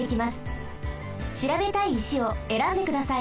しらべたい石をえらんでください。